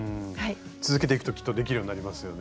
続けていくときっとできるようになりますよね。